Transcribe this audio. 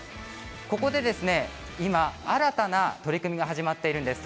ここで今新たな取り組みが始まっているんです。